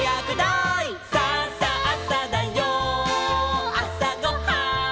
「さあさあさだよあさごはん」